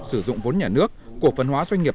sử dụng vốn nhà nước cổ phân hóa doanh nghiệp